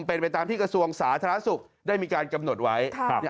เป็นไปตามที่กระทรวงสาธารณสุขได้มีการกำหนดไว้